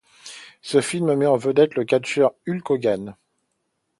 Ce film met en vedette le catcheur Hulk Hogan.